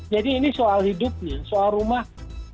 jadi ini soal hidupnya soal rumah